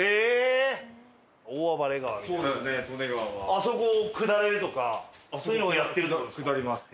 あそこを下れるとかそういうのをやってるって事ですか？